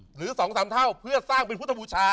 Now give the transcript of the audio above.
หรือ๒๓เท่าเพื่อสร้างเป็นพุทธบูชา